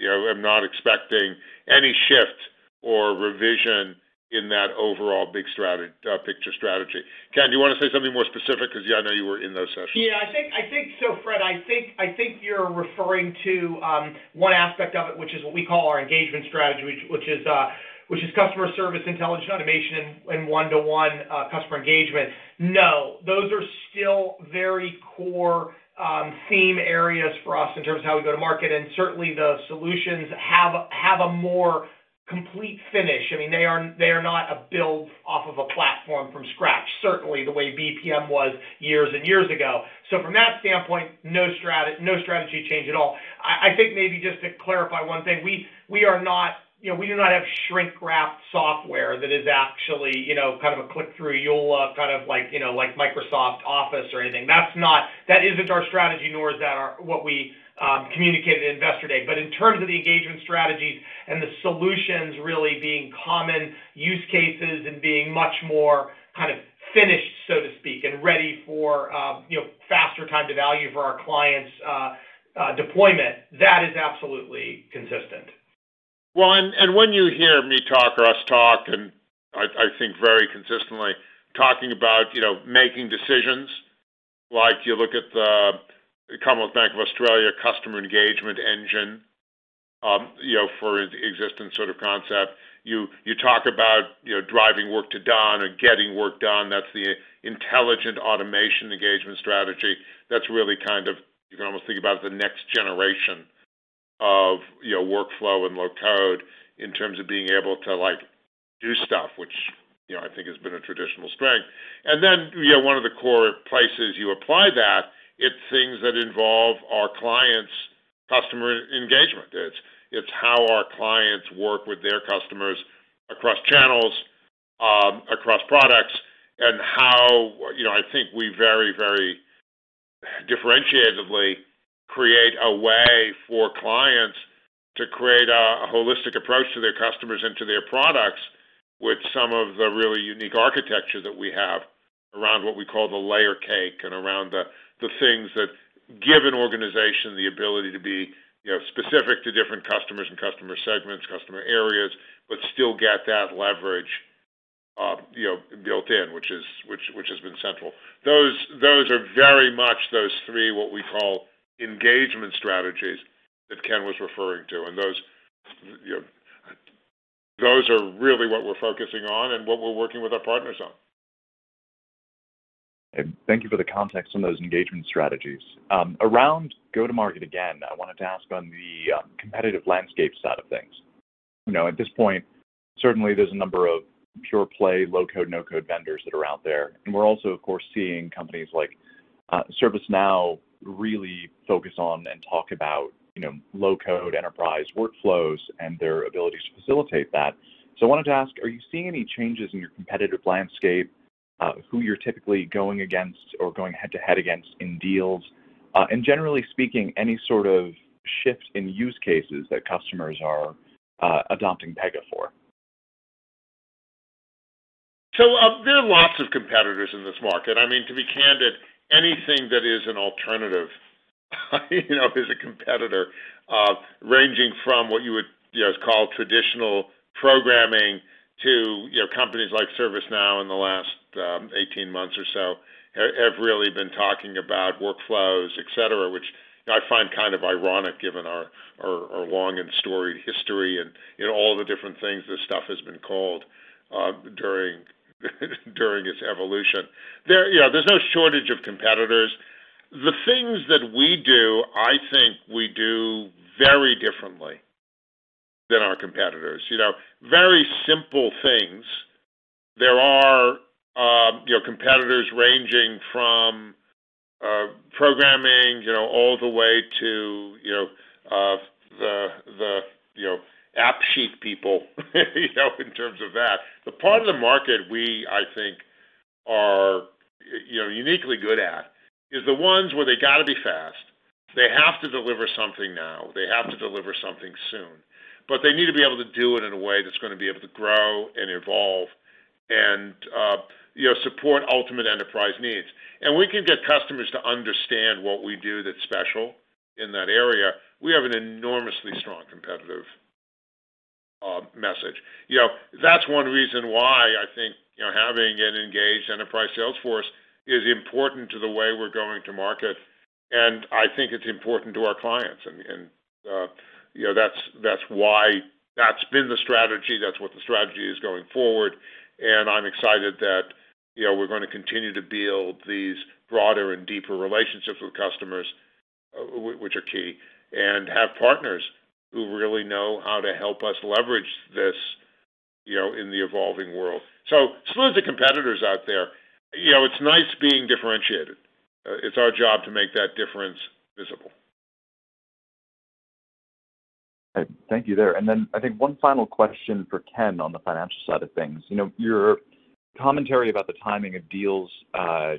you know, am not expecting any shift or revision in that overall big picture strategy. Ken, do you want to say something more specific because, yeah, I know you were in those sessions. Yeah, I think so, Fred. I think you're referring to one aspect of it, which is what we call our engagement strategy, which is customer service, intelligent automation, and one-to-one customer engagement. No, those are still very core theme areas for us in terms of how we go to market, and certainly the solutions have a more complete finish. I mean, they are not a build off of a platform from scratch, certainly the way BPM was years and years ago. From that standpoint, no strategy change at all. I think maybe just to clarify one thing, we are not, you know, we do not have shrink-wrapped software that is actually, you know, kind of a click-through, kind of like, you know, like Microsoft Office or anything. That isn't our strategy, nor is that what we communicated at Investor Day. In terms of the engagement strategies and the solutions really being common use cases and being much more kind of finished, so to speak, and ready for, you know, faster time to value for our clients' deployment, that is absolutely consistent. When you hear me talk or us talk, and I think very consistently talking about, you know, making decisions, like you look at the Commonwealth Bank of Australia Customer Engagement Engine, you know, for its existing sort of concept. You talk about, you know, driving work to done or getting work done. That's the intelligent automation engagement strategy. That's really kind of, you can almost think about the next generation of, you know, workflow and low-code in terms of being able to, like, do stuff, which, you know, I think has been a traditional strength. Then, you know, one of the core places you apply that, it's things that involve our clients' customer engagement. It's how our clients work with their customers across channels, across products, and how, you know, I think we very differentiatively create a way for clients to create a holistic approach to their customers and to their products with some of the really unique architecture that we have around what we call the layer cake and around the things that give an organization the ability to be, you know, specific to different customers and customer segments, customer areas, but still get that leverage, you know, built in, which has been central. Those are very much those three, what we call engagement strategies that Ken was referring to. Those, you know, those are really what we're focusing on and what we're working with our partners on. Thank you for the context on those engagement strategies. Around go-to-market, again, I wanted to ask on the competitive landscape side of things. You know, at this point, certainly, there's a number of pure-play low-code/no-code vendors that are out there. We're also, of course, seeing companies like ServiceNow really focus on and talk about, you know, low-code enterprise workflows and their abilities to facilitate that. I wanted to ask, are you seeing any changes in your competitive landscape, who you're typically going against or going head-to-head against in deals? Generally speaking, any sort of shift in use cases that customers are adopting Pega for. There are lots of competitors in this market. I mean, to be candid, anything that is an alternative, you know, is a competitor, ranging from what you would, you know, call traditional programming to, you know, companies like ServiceNow in the last 18 months or so have really been talking about workflows, et cetera, which I find kind of ironic given our long and storied history and, you know, all the different things this stuff has been called during its evolution. Yeah, there's no shortage of competitors. The things that we do, I think we do very differently than our competitors. You know, very simple things. There are, you know, competitors ranging from programming, you know, all the way to, you know, the AppSheet people, you know, in terms of that. The part of the market we, I think are, you know, uniquely good at is the ones where they gotta be fast, they have to deliver something now, they have to deliver something soon, but they need to be able to do it in a way that's gonna be able to grow and evolve and, you know, support ultimate enterprise needs. We can get customers to understand what we do that's special in that area. We have an enormously strong competitive message. You know, that's one reason why I think, you know, having an engaged enterprise sales force is important to the way we're going to market, and I think it's important to our clients. You know, that's why that's been the strategy, that's what the strategy is going forward. I'm excited that, you know, we're gonna continue to build these broader and deeper relationships with customers, which are key, and have partners who really know how to help us leverage this, you know, in the evolving world. As soon as the competitors out there, you know, it's nice being differentiated. It's our job to make that difference visible. Thank you there. I think one final question for Ken on the financial side of things. You know, your commentary about the timing of deals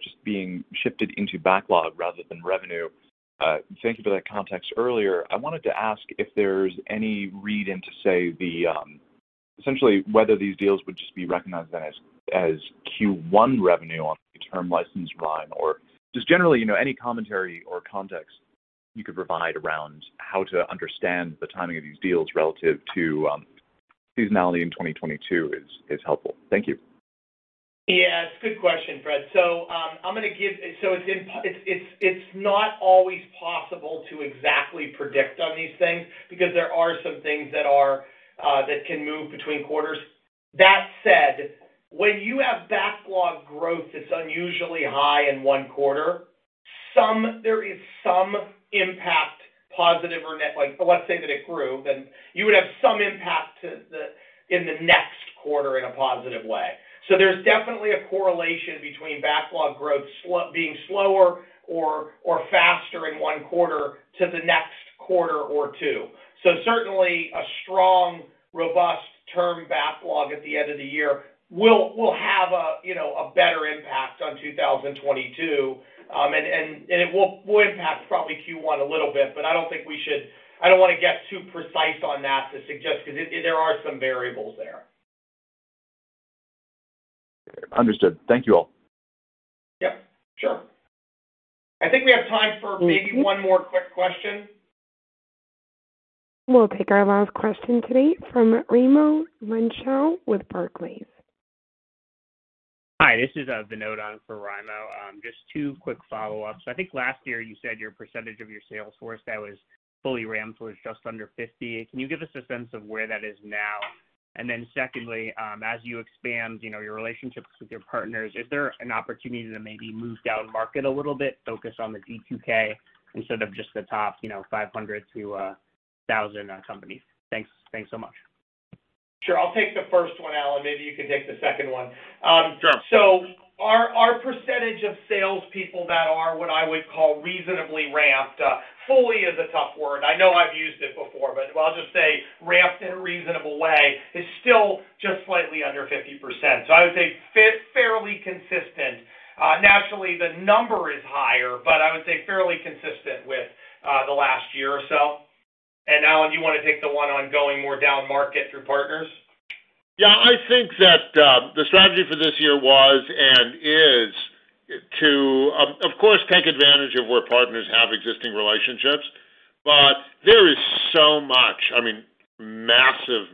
just being shifted into backlog rather than revenue. Thank you for that context earlier. I wanted to ask if there's any read into, say, the essentially whether these deals would just be recognized then as Q1 revenue on the term license run or just generally, you know, any commentary or context you could provide around how to understand the timing of these deals relative to seasonality in 2022 is helpful. Thank you. Yeah, it's a good question, Fred. It's not always possible to exactly predict on these things because there are some things that can move between quarters. That said, when you have backlog growth that's unusually high in one quarter, there is some impact, positive or negative—like, let's say that it grew, then you would have some impact to the in the next quarter in a positive way. There's definitely a correlation between backlog growth being slower or faster in one quarter to the next quarter or two. Certainly a strong, robust term backlog at the end of the year will have a better impact on 2022. It will impact probably Q1 a little bit, but I don't think we should. I don't wanna get too precise on that to suggest 'cause there are some variables there. Understood. Thank you all. Yep, sure. I think we have time for maybe one more quick question. We'll take our last question today from Raimo Lenschow with Barclays. Hi, this is Vinod on for Raimo. Just two quick follow-ups. I think last year you said your percentage of your sales force that was fully ramped was just under 50%. Can you give us a sense of where that is now? Secondly, as you expand, you know, your relationships with your partners, is there an opportunity to maybe move down market a little bit, focus on the G2K instead of just the top, you know, 500 to 1,000 companies? Thanks. Thanks so much. Sure. I'll take the first one, Alan. Maybe you can take the second one. Sure. Our percentage of salespeople that are what I would call reasonably ramped, fully is a tough word. I know I've used it before, but I'll just say ramped in a reasonable way is still just slightly under 50%. I would say fairly consistent. Naturally, the number is higher, but I would say fairly consistent with the last year or so. Alan, do you wanna take the one on going more down market through partners? Yeah. I think that the strategy for this year was and is to of course take advantage of where partners have existing relationships. But there is so much, I mean, massive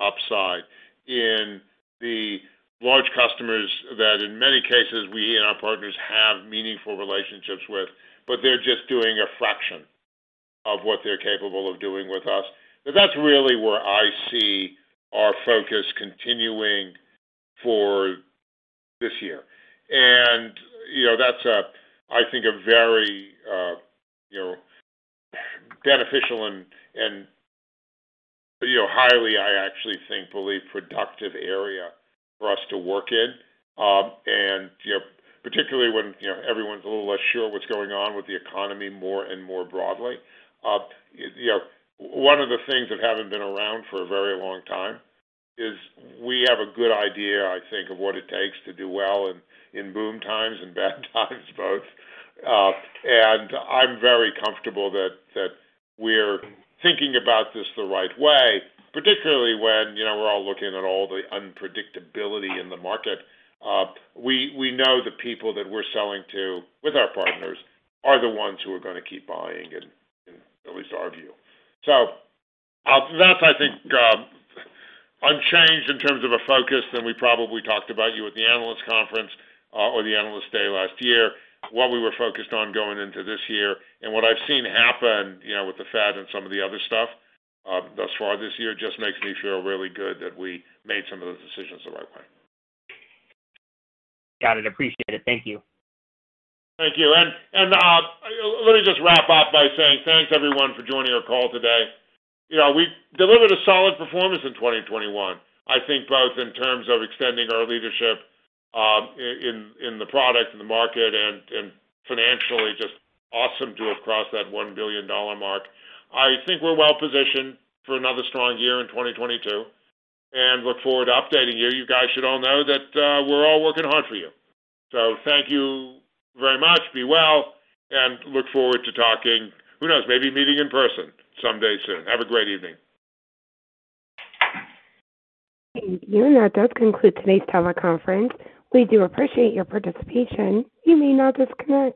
upside in the large customers that in many cases we and our partners have meaningful relationships with, but they're just doing a fraction of what they're capable of doing with us. But that's really where I see our focus continuing for this year. You know, that's a, I think, a very, you know, beneficial and, you know, highly, I actually think believe productive area for us to work in, and, you know, particularly when, you know, everyone's a little less sure what's going on with the economy more and more broadly. You know, one of the things that haven't been around for a very long time is we have a good idea, I think, of what it takes to do well in boom times and bad times, both. I'm very comfortable that we're thinking about this the right way, particularly when, you know, we're all looking at all the unpredictability in the market. We know the people that we're selling to with our partners are the ones who are gonna keep buying and at least argue. That's, I think, unchanged in terms of a focus than we probably talked about you at the analyst conference, or the analyst day last year, what we were focused on going into this year. What I've seen happen, you know, with the Fed and some of the other stuff, thus far this year, just makes me feel really good that we made some of those decisions the right way. Got it. Appreciate it. Thank you. Thank you. Let me just wrap up by saying thanks everyone for joining our call today. You know, we delivered a solid performance in 2021, I think both in terms of extending our leadership, in the product, in the market, and financially just awesome to have crossed that $1 billion mark. I think we're well-positioned for another strong year in 2022, and look forward to updating you. You guys should all know that, we're all working hard for you. Thank you very much. Be well, and look forward to talking, who knows, maybe meeting in person someday soon. Have a great evening. Thank you. That does conclude today's teleconference. We do appreciate your participation. You may now disconnect.